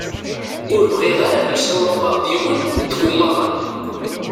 Ur bɣiɣ ad msewwaqeɣ d yiwen deg umaḍal.